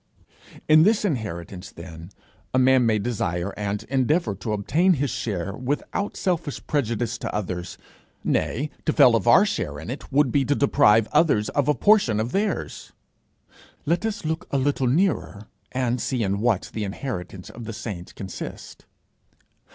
In this inheritance then a man may desire and endeavour to obtain his share without selfish prejudice to others; nay, to fail of our share in it, would be to deprive others of a portion of theirs. Let us look a little nearer, and see in what the inheritance of the saints consists.